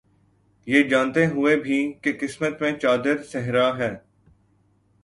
یہ جانتے ہوئے بھی، کہ قسمت میں چادر صحرا ہے